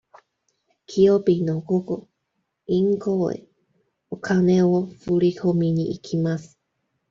木曜日の午後、銀行へお金を振り込みに行きます。